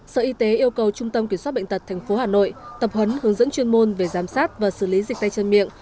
sở y tế yêu cầu trung tâm kiểm soát bệnh tật tp hà nội tập huấn hướng dẫn chuyên môn về giám sát và xử lý dịch tay chân miệng